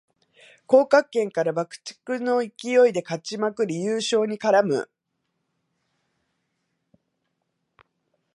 降格圏から破竹の勢いで勝ちまくり優勝に絡む